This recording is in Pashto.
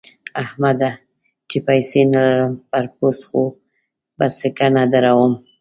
احمده! چې پيسې نه لرم؛ پر پوست خو به سکه نه دروهم.